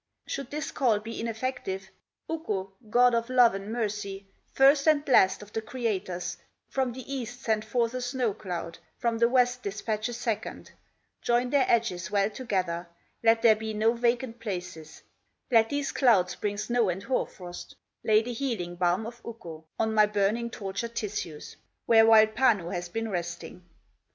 "Should this call be ineffective, Ukko, God of love and mercy, First and last of the creators, From the east send forth a snow cloud, From the west despatch a second, Join their edges well together, Let there be no vacant places, Let these clouds bring snow and hoar frost, Lay the healing balm of Ukko On my burning, tortured tissues, Where wild Panu has been resting."